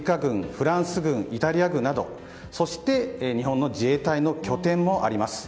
フランス軍、イタリア軍などそして、日本の自衛隊の拠点もあります。